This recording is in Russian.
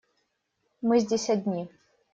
Мы здесь одни.